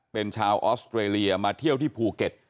เป็นชาวออสเตรเลียมาเที่ยวที่ภูเก็ต